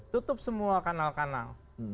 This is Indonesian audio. tutup semua kanal kanal